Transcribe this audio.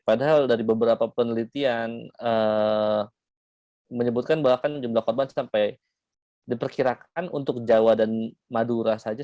padahal dari beberapa penelitian menyebutkan bahwa kan jumlah korban sampai diperkirakan untuk jawa dan madura saja